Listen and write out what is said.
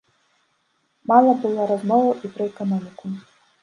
Мала было размоваў і пра эканоміку.